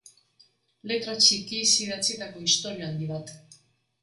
Letra txikiz idatzitako istorio handi bat.